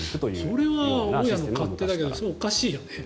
これは大家さんの勝手だけどおかしいよね。